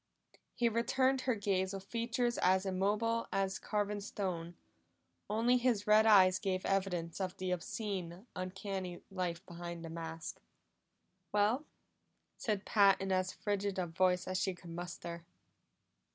He returned her gaze with features as immobile as carven stone; only his red eyes gave evidence of the obscene, uncanny life behind the mask. "Well?" said Pat in as frigid a voice as she could muster.